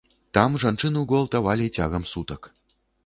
Там жанчыну гвалтавалі цягам сутак.